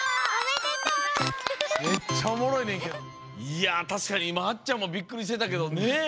いやたしかにいまあっちゃんもびっくりしてたけどねっ。